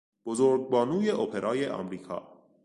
بزرگ بانوی اپرای آمریکا